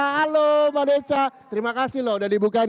halo mbak deca terima kasih loh udah dibuka